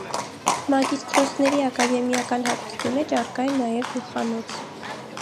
Մագիստրոսների ակադեմիական հագուստի մեջ առկա է նաև գլխանոց։